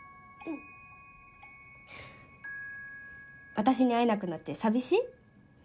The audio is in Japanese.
私に会えなくなって寂しい？